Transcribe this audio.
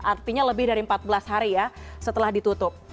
artinya lebih dari empat belas hari ya setelah ditutup